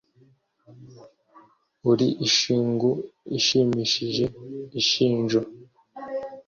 uri ishingu ishimishije ishinjo